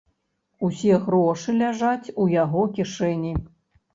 Усе грошы ляжаць у яго кішэні.